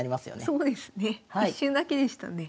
そうですね一瞬だけでしたね。